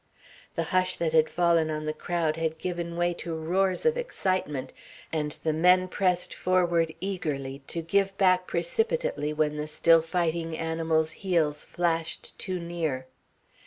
The hush that had fallen on the crowd had given way to roars of excitement, and the men pressed forward eagerly, to give back precipitately when the still fighting animal's heels flashed too near.